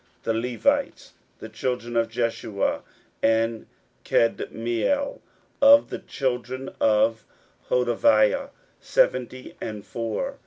16:007:043 The Levites: the children of Jeshua, of Kadmiel, and of the children of Hodevah, seventy and four.